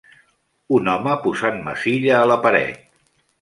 Un home posant massilla a la paret.